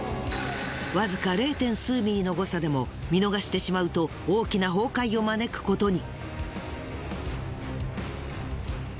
わずか０．数ミリの誤差でも見逃してしまうと大きな崩壊を招くことに。